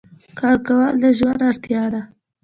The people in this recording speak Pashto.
کار کول د ژوند اړتیا ده.